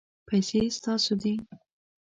پیسې ستاسو دي